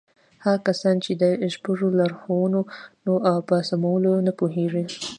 هغه کسان چې د شپږو لارښوونو پر سموالي نه پوهېږي.